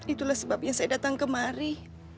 itulah sebabnya saya datang kemari